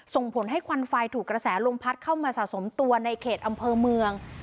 ส่งผลให้ควันไฟถูกกระแสลมพัดเข้ามาสะสมตัวในเขตอำเภอเมือง